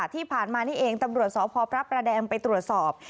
ที่ผ่านมานี่เองตำรวจสพพระประแดงไปตรวจสอบ